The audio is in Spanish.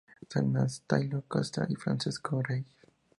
San Estanislao Kostka y Francesco Regis.